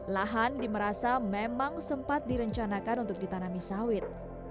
lahan di merasa memang sempat direncanakan untuk ditanami sawit